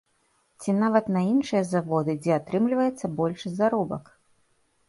Ці нават на іншыя заводы, дзе атрымліваецца большы заробак.